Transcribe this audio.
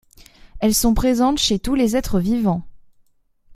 Elles sont présentes chez tous les êtres vivants.